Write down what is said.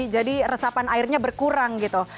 jadi resapan airnya berkurang gitu